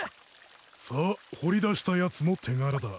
さあ掘り出したやつの手柄だ。